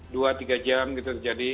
dua tiga jam gitu jadi